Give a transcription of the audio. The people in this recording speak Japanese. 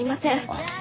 あっ。